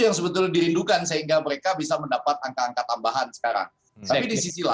yang sebetulnya dirindukan sehingga mereka bisa mendapat angka angka tambahan sekarang tapi di sisi lain